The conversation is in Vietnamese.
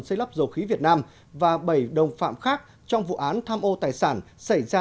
xây lắp dầu khí việt nam và bảy đồng phạm khác trong vụ án tham ô tài sản xảy ra